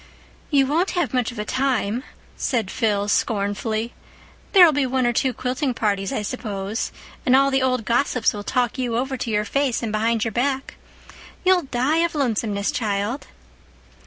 "You won't have much of a time," said Phil scornfully. "There'll be one or two quilting parties, I suppose; and all the old gossips will talk you over to your face and behind your back. You'll die of lonesomeness, child."